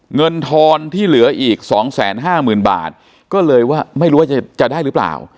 เงินทอนที่เหลืออีกสองแสนห้าหมื่นบาทก็เลยว่าไม่รู้ว่าจะจะได้หรือเปล่า